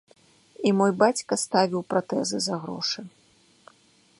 І мой бацька ставіў пратэзы за грошы.